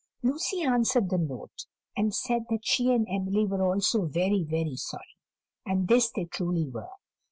Lucy answered the note, and said that she and Emily were also very, very sorry; and this they truly were.